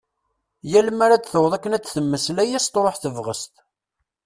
Yal mi ara d-taweḍ akken ad d-temmeslay as-truḥ tebɣest.